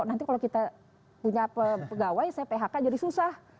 nanti kalau kita punya pegawai saya phk jadi susah